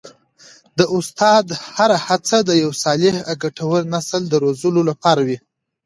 د استاد هره هڅه د یو صالح او ګټور نسل د روزلو لپاره وي.